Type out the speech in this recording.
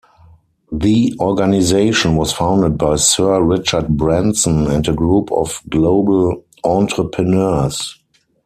The organization was founded by Sir Richard Branson and a group of global entrepreneurs.